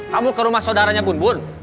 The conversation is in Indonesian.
kamu ke rumah sodaranya bumbun